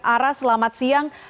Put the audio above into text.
ara selamat siang